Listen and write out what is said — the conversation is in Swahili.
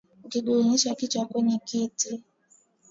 kujigongesha kichwa kwenye kitu